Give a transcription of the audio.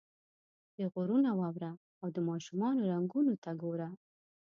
پیغورونه واوره او د ماشومانو رنګونو ته ګوره.